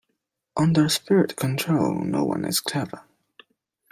Under spirit-control no one is clever.